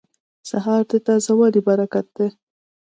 سهار د تازه والي برکت دی.